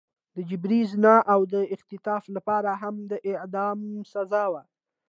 د جبري زنا او اختطاف لپاره هم د اعدام سزا وه.